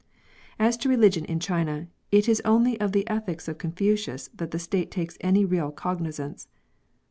As to religion in China, it is only of the ethics of Confucius that the State takes any real cognizance.